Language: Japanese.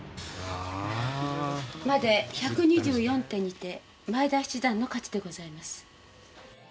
まで１２４手にて前田七段の勝ちでございます。